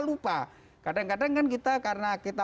lupa kadang kadang kan kita